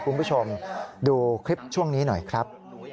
คุณผู้ชมดูคลิปช่วงนี้หน่อยครับ